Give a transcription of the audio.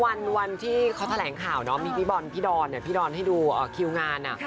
วันที่เขาแถลงข่าวเนาะมีพี่บอลพี่ดอนพี่ดอนให้ดูคิวงาน